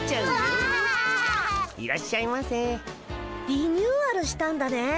リニューアルしたんだね。